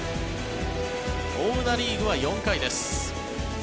追うナ・リーグは４回です。